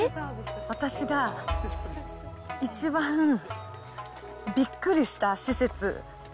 私が一番びっくりした施設。